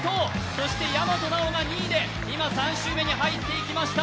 そして大和奈央が２位で３周目に入っていきました。